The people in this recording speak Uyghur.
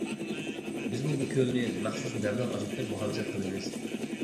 بىزمۇ بۇ كۆلنى مەخسۇس مەبلەغ ئاجرىتىپ مۇھاپىزەت قىلىمىز.